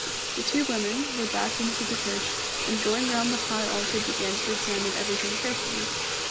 The two women went back into the church, and going round the high altar began to examine everything carefully.